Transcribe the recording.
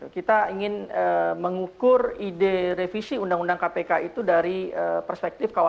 kita ingin mengukur ide revisi undang undang kpk itu dari perspektif